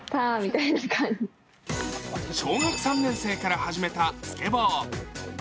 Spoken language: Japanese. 小学３年生から始めたスケボー。